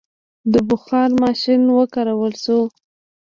د بخار ماشین وکارول شو.